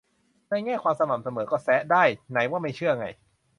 ในแง่ความสม่ำเสมอก็แซะได้ ไหนว่าไม่เชื่อไง